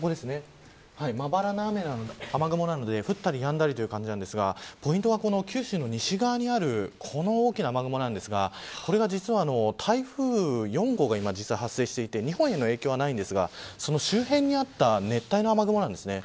まばらな雨雲なので降ったりやんだりという感じなんですがポイントは九州の西側にあるこの大きな雨雲なんですがこれが実は、台風４号が発生していて日本への影響はないんですがその周辺にあった熱帯の雨雲なんですね。